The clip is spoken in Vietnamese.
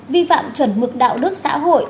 vi phạm chuẩn mực đạo đức xã hội